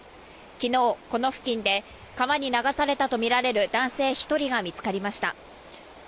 昨日、この付近で川に流されたとみられる男性１人が見つかりました。